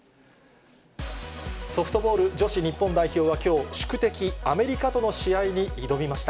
ソフトボール女子日本代表は、きょう、宿敵、アメリカとの試合に挑みました。